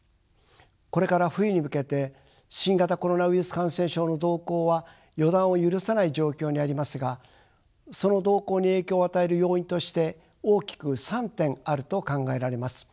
これから冬に向けて新型コロナウイルス感染症の動向は予断を許さない状況にありますがその動向に影響を与える要因として大きく３点あると考えられます。